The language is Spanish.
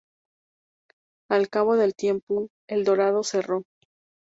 Al cabo del tiempo, El Dorado cerró.